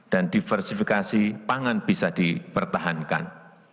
dan diversifikasi pangan bisa dipertahankan